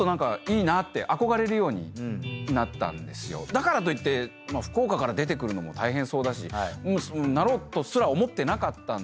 だからといって福岡から出てくるのも大変そうだしなろうとすら思ってなかったんですけど